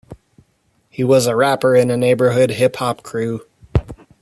He was a rapper in a neighborhood hip hop crew.